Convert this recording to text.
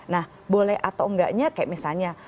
nah boleh atau enggaknya kayak misalnya